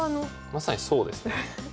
まさにそうですね。